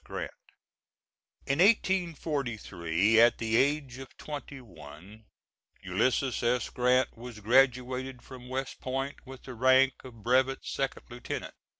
Grant [In 1843, at the age of twenty one, Ulysses S. Grant was graduated from West Point with the rank of brevet second lieutenant.